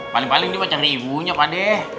paling paling dia macam ribunya pak d